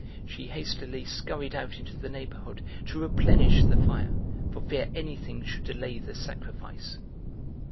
She hastily scurried out into the neighborhood to replenish the fire, for fear anything should delay the sacrifice.